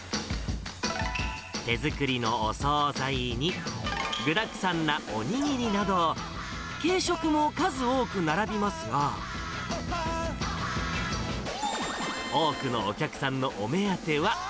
手作りのお総菜に、具だくさんなお握りなど、軽食も数多く並びますが、多くのお客さんのお目当ては。